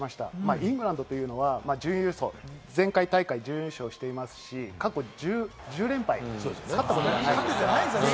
イングランドというのは前回大会、準優勝していますし、過去１０連敗、勝ったことがないんです。